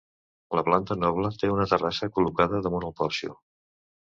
La planta noble té una terrassa col·locada damunt el porxo.